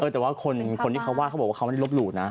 แต่ว่าคนที่เขาไห้เขาบอกว่าเขาไม่ได้ลบหลู่นะ